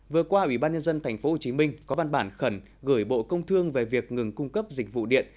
vừa qua ủy ban nhân dân tp hcm có văn bản khẩn gửi bộ công thương về việc ngừng cung cấp dịch vụ điện